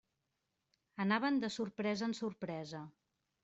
Anaven de sorpresa en sorpresa.